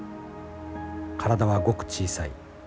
体はごく小さい。